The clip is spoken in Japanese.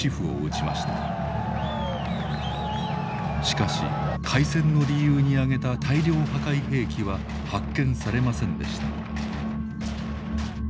しかし開戦の理由に挙げた大量破壊兵器は発見されませんでした。